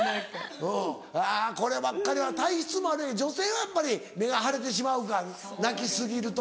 うんあぁこればっかりは体質もあるやろうけど女性はやっぱり目が腫れてしまうか泣き過ぎると。